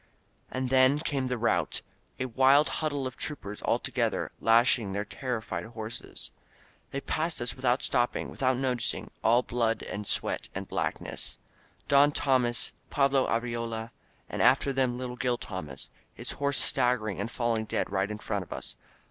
And then came the rout, a wild huddle of troopers all together, lashing their terrified horses. They 86 MEESTER'S FLIGHT passed us without stopping, without noticing, all blood and sweat and blackness. Don Tomas, Pablo Arriola, and after them little Gil Tomas, his horse staggering and falling dead right in front of us.